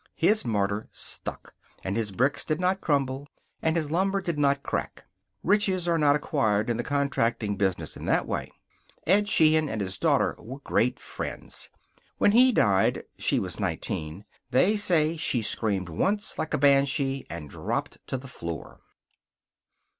His mortar stuck, and his bricks did not crumble, and his lumber did not crack. Riches are not acquired in the contracting business in that way. Ed Sheehan and his daughter were great friends. When he died (she was nineteen) they say she screamed once, like a banshee, and dropped to the floor.